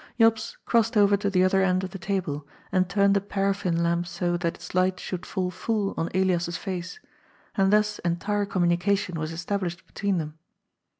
Jops crossed over to the other end of the table, and turned the paraffin lamp so that its light should fall full on Elias's face, and thus entire communication was established between them.